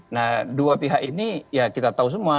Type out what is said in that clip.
nah dua pihak ini ya kita tahu semua